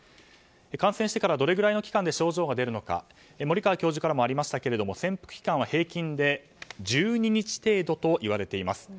感染してからどれくらいの期間で症状が出るのか森川教授からもありましたけど潜伏期間は平均で１２日程度といわれています。